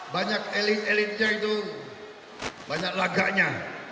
banyak elit elitnya itu banyak laganya